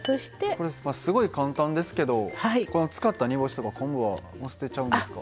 すごく簡単ですけど使った煮干しとか昆布はもう捨てちゃうんですか？